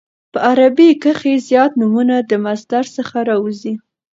په عربي کښي زیات نومونه د مصدر څخه راوځي.